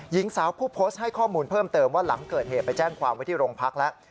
หญิงสาวผู้โพสต์ให้ข้อมูลเพิ่มเติมว่าหลังเกิดเหตุไปแจ้งความไว้ที่โรงพักแล้ว